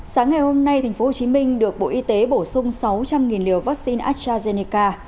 sáng ngày hôm nay tp hcm được bộ y tế bổ sung sáu trăm linh liều vaccine astrazeneca